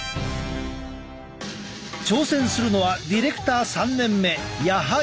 挑戦するのはディレクター３年目矢萩。